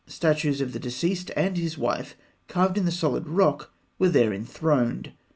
Statues of the deceased and his wife, carved in the solid rock, were there enthroned.